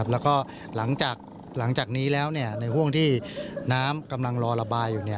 แล้วก็หลังจากนี้แล้วในห่วงที่น้ำกำลังรอระบายอยู่